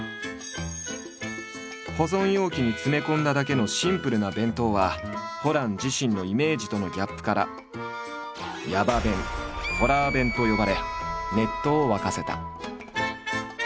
保存容器に詰め込んだだけのシンプルな弁当はホラン自身のイメージとのギャップから「ヤバ弁」「ホラー弁」と呼ばれネットを沸かせた。